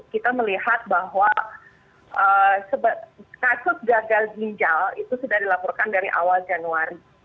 kita melihat bahwa kasus gagal ginjal itu sudah dilaporkan dari awal januari